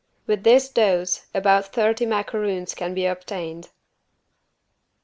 With this dose about thirty macarons can be obtained.